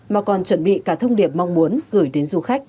mà còn chuẩn bị cả thông điệp mong muốn gửi đến du khách